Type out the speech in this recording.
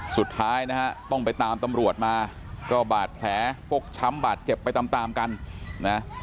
สุดท้ายนะฮะต้องไปตามตำรวจมาก็บาดแผลฟกช้ำบาดเจ็บไปตามตามกันนะ